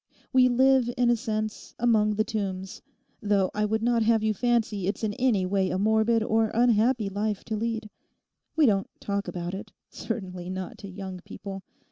We live, in a sense, among the tombs; though I would not have you fancy it's in any way a morbid or unhappy life to lead. We don't talk about it—certainly not to young people.